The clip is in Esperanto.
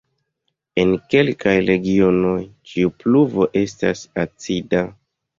En kelkaj regionoj ĉiu pluvo estas acida.